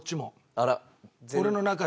あら？